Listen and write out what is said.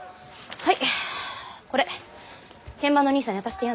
・はい！